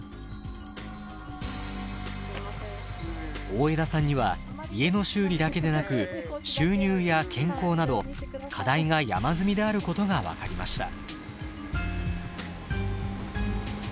大枝さんには家の修理だけでなく収入や健康など課題が山積みであることが分かりました。